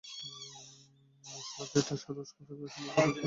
মশলা দিয়ে ঠাসা, রোস্ট করা, টেবিলে সুন্দরভাবে পরিবেশন করা!